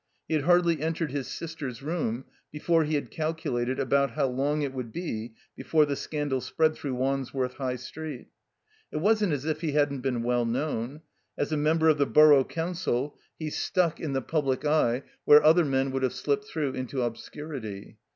He had hardly entered his sister's room before he had calculated about how long it would be before the scandal spread through Wandsworth High Street. It wasn't as if he hadn't been well known. As a member of the Borough CouxvcnYVy^ ^XmO^slVcl^^ 263 THE COMBINED MAZE public eye where other men would have slipped through into obscurity.